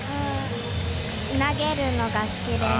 投げるのが好きです。